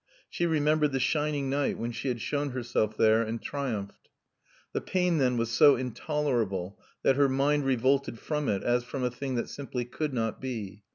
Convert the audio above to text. She remembered the shining night when she had shown herself there and triumphed. The pain then was so intolerable that her mind revolted from it as from a thing that simply could not be.